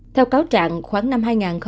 theo cáo trạng khoảng năm hai nghìn hai mươi hai